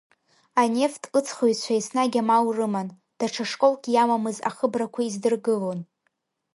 Анефт ыҵхыҩцәа еснагь амал рыман, даҽа школк иамамыз ахыбрақәа издыргылон.